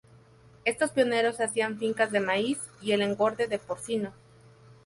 Estos pioneros hacían fincas de maíz y el engorde de porcinos.